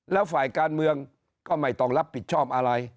แล้วฝ่ายการเมืองก็ไม่ต้องรับผิดชอบอะไร